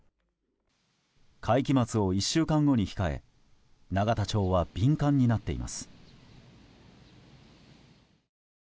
会期末を１週間後に控え永田町は敏感になっています。